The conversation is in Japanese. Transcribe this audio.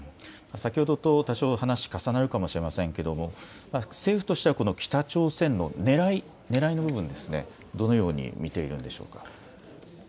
先ほどと多少、話が重なるかもしれませんが政府としては北朝鮮のねらいの部分、どのように見ているんでしょうか。